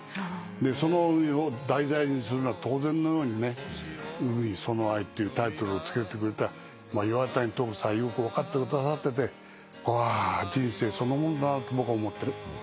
その海を題材にするのは当然のようにね『海その愛』っていうタイトルを付けてくれた岩谷時子さんよく分かってくださっててあ人生そのものだなと僕は思ってる。